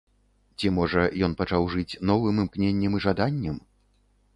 Ці, можа, ён пачаў жыць новым імкненнем і жаданнем?